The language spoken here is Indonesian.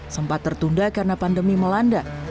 sempat tertunda karena pandemi melanda